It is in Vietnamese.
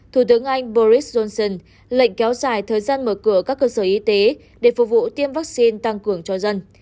thủ tướng anh boris johnson lệnh kéo dài thời gian mở cửa các cơ sở y tế để phục vụ tiêm vaccine tăng cường cho dân